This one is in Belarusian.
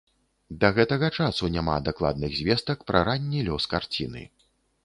Да гэтага часу няма дакладных звестак пра ранні лёс карціны.